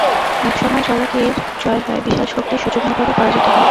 এক সময় চালাকীর জয় হয়, বিশাল শক্তি শোচনীয়ভাবে পরাজিত হয়।